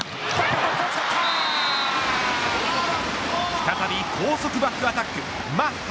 再び高速バックアタックマッハ。